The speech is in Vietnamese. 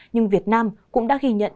nhưng việt nam cũng đã ghi nhận